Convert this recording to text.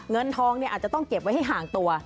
เงินทองอาจจะต้องเก็บไว้ให้ห่างตัว